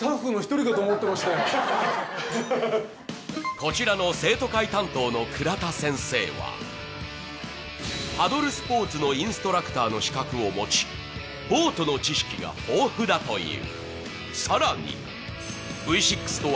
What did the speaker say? こちらの生徒会担当の倉田先生は、パドルスポーツのインストラクターの資格を持ちボートの知識が豊富だという。